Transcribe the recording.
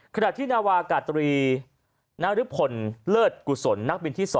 ขณะที่นาวากาตรีนรพลเลิศกุศลนักบินที่๒